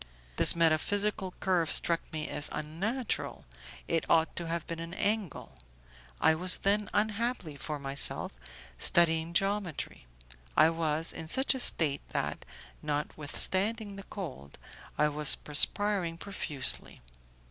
This metaphysical curve struck me as unnatural, it ought to have been an angle; I was then, unhappily for myself, studying geometry. I was in such a state that, notwithstanding the cold, I was perspiring profusely.